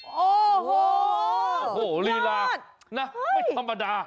โอ้โหลีลานะไม่ธรรมดา